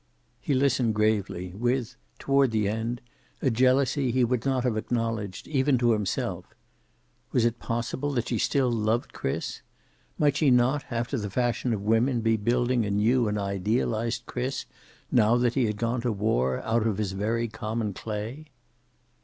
He listened gravely, with, toward the end, a jealousy he would not have acknowledged even to himself. Was it possible that she still loved Chris? Might she not, after the fashion of women, be building a new and idealized Chris, now that he had gone to war, out of his very common clay?